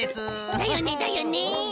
だよねだよね。